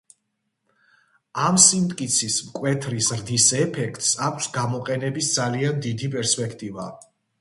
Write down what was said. ამ სიმტკიცის მკვეთრი ზრდის ეფექტს აქვს გამოყენების ძალიან დიდი პერსპექტივა.